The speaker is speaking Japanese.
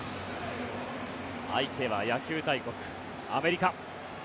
相手は野球大国、アメリカ。